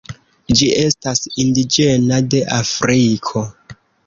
Ĝi estas indiĝena de Afriko.